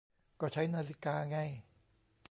ก็ใช้นาฬิกาไง